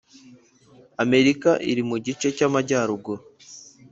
amerika iri mu gice cy’amajyaruguru.